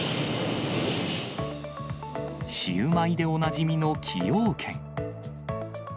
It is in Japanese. シウマイでおなじみの崎陽軒。